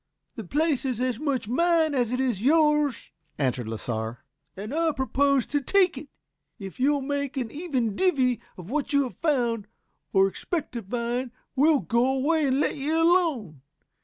"The place is as much mine as it is yours," answered Lasar. "And I propose to take it! If you'll make an even divvy of what you have found, or expect to find, we'll go away and let you alone.